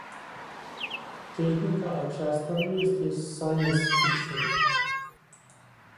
Tehnica aceasta nu este science fiction.